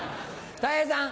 たい平さん。